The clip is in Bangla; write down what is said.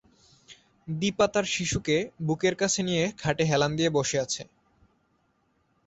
দিপা তার শিশুকে বুকের কাছে নিয়ে খাটে হেলান দিয়ে বসে আছে।